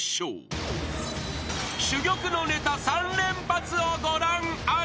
［珠玉のネタ３連発をご覧あれ］